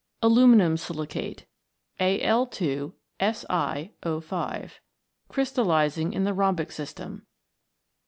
Aluminium silicate, Al 2 Si0 5 , crystallising in the rhombic system.